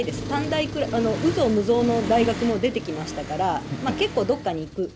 短大、有象無象の大学も出てきましたから、結構、どっかに行く。